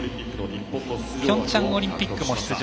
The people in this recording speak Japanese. ピョンチャンオリンピックも出場。